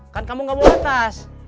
kan kamu gak mau tas